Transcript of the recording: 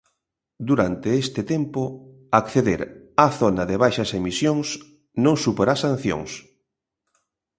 Durante este tempo, acceder á zona de baixas emisións non suporá sancións.